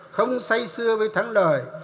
không say sưa với thắng lời